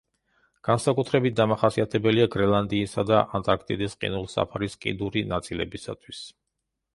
განსაკუთრებით დამახასიათებელია გრენლანდიისა და ანტარქტიდის ყინულსაფრის კიდური ნაწილებისათვის.